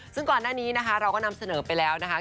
ซึ่งก่อนหน้านี้นะคะเราก็นำเสนอไปแล้วนะคะ